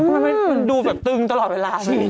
มันดูแบบตึงตลอดเวลานี้